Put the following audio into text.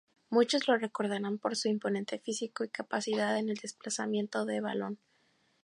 Muchos lo recordarán por su imponente físico y capacidad en el desplazamiento de balón.